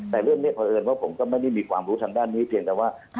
แต่เรื่องนี้เพราะเอิญว่าผมก็ไม่ได้มีความรู้ทางด้านนี้เพียงแต่ว่า